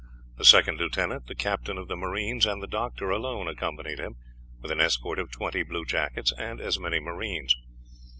The second lieutenant, the captain of the marines, and the doctor alone accompanied him, with an escort of twenty bluejackets and as many marines.